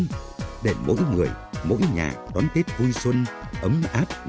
những người mỗi nhà đón tết vui xuân ấm áp nghĩa tình và viên mãn